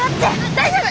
大丈夫！